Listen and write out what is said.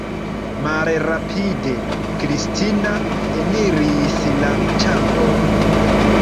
Malrapide Kristina eniris la ĉambron.